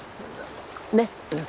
ねっ。